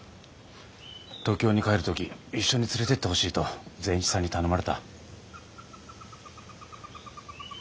東京に帰る時一緒に連れてってほしいと善一さんに頼まれた。